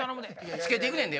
着けて行くねんで？